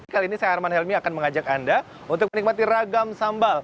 kali ini saya arman helmi akan mengajak anda untuk menikmati ragam sambal